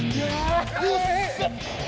kita kan mau cari ipang